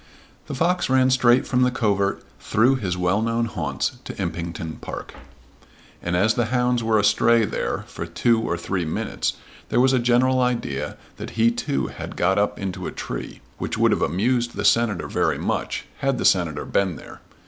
The fox ran straight from the covert through his well known haunts to Impington Park, and as the hounds were astray there for two or three minutes there was a general idea that he too had got up into a tree, which would have amused the Senator very much had the Senator been there.